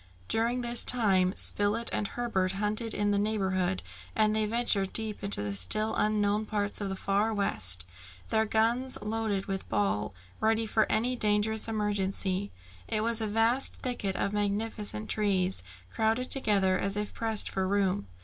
During this time Spilett and Herbert hunted in the neighbourhood, and they ventured deep into the still unknown parts of the Far West, their guns loaded with ball, ready for any dangerous emergency. It was a vast thicket of magnificent trees, crowded together as if pressed for room.